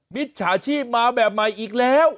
มิจฉาชีพมาแบบใหม่อีกแล้ว